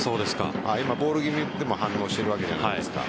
今、ボール気味でも反応しているわけじゃないですか。